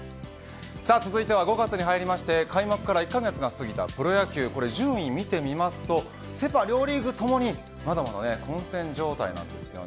続いては５月に入って開幕から１カ月が過ぎたプロ野球順位を見てみますとセ、パ両リーグともにまだまだ混戦状態なんです。